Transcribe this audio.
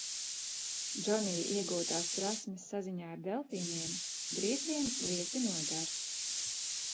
Džonija iegūtās prasmes saziņā ar delfīniem drīz vien lieti noder.